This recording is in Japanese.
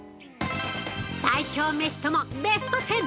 ◆最強メシとも、ベスト１０。